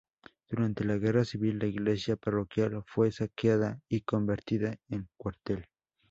Durante la Guerra Civil la iglesia parroquial fue saqueada y convertida en cuartel.